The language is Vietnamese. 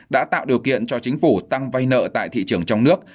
đã tạo điều kiện cho chính phủ tăng vay nợ tại thị trường trong nước